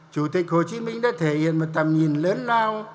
chủ tịch hồ chí minh đã thể hiện một tầm nhìn lớn lao